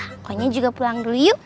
pokoknya juga pulang dulu yuk